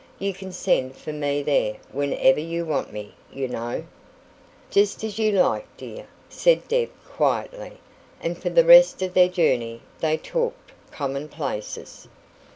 You can send for me there whenever you want me, you know." "Just as you like, dear," said Deb quietly; and for the rest of their journey they talked commonplaces.